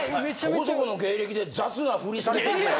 そこそこの芸歴で雑なフリされてるけど。